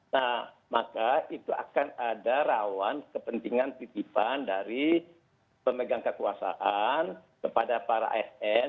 nah maka itu akan ada rawan kepentingan titipan dari pemegang kekuasaan kepada para asn